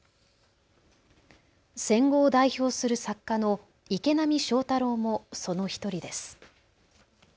戦後を代表する作家の池波正太郎もその１人です。